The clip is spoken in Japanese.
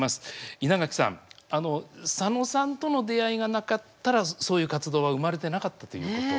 稲垣さんあの佐野さんとの出会いがなかったらそういう活動は生まれてなかったということですね。